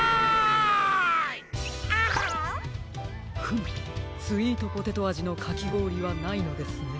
フムスイートポテトあじのかきごおりはないのですね。